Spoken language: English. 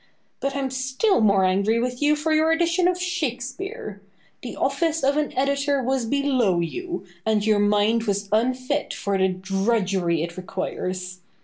But I am still more angry with you for your edition of Shakespeare. The office of an editor was below you, and your mind was unfit for the drudgery it requires.